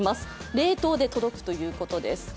冷凍で届くということです。